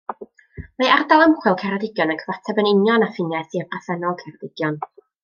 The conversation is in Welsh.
Mae Ardal Ymchwil Ceredigion yn cyfateb yn union â ffiniau sir bresennol Ceredigion.